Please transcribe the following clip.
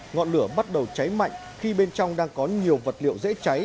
ngọn lửa bắt đầu cháy mạnh khi bên trong đang có nhiều vật liệu dễ cháy